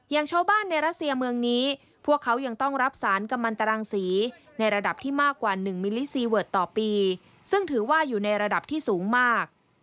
อย่างชาวบ้านในรัสเซียเมืองนี้พวกเขายังต้องรับสารกำลังตรังสีในระดับที่มากกว่า๑มิลลิซีเวิร์ตต่อปีซึ่งถือว่าอยู่ในระดับที่สูงมาก